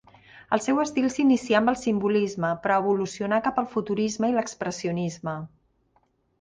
El seu estil s'inicià amb el simbolisme però evolucionà cap al futurisme i l'expressionisme.